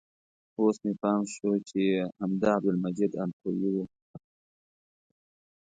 اوس مې پام شو چې همدا عبدالمجید اندخویي و.